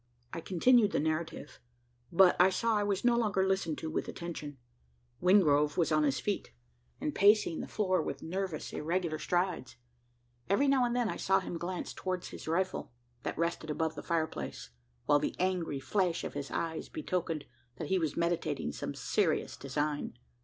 I continued the narrative; but I saw I was no longer listened to with attention. Wingrove was on his feet, and pacing the floor with nervous irregular strides. Every now and then, I saw him glance towards his rifle that rested above the fireplace; while the angry flash of his eyes betokened that he was meditating some serious design.